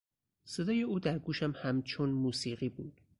صدای او در گوشم همچون موسیقی بود.